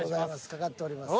懸かっております。